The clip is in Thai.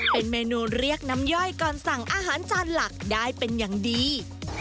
เป็นเมนูเรียกน้ำย่อยก่อนสั่งอาหารจานหลักได้เป็นอย่างดี